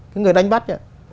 cái người đánh bắt